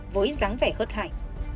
với dáng vẻ hớt hại